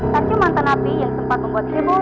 satu mantan api yang sempat membuat heboh